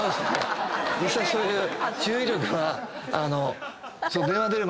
実際そういう注意力は。